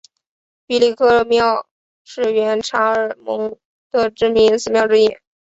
毕力克庙是原察哈尔盟的知名寺庙之一。